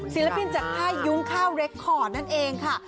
ศิลปินจากค่ายยุ้งข้าวเรคคอร์ดนั่นเองค่ะ